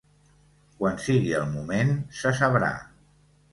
Quan sigui el moment, se sabrà.